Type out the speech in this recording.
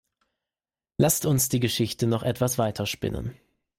Lasst uns die Geschichte noch etwas weiter spinnen.